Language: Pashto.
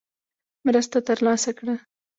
مرسته ترلاسه کړه.